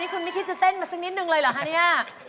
คุณไม่คิดจะเต้นมาสักนิดนึงเลยเหรอคะเนี่ย